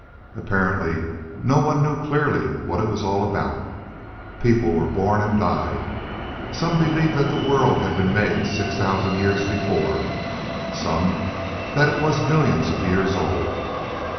Apparently no one knew clearly what it was all about. People were born and died. Some believed that the world had been made six thousand years before; some that it was millions of years old.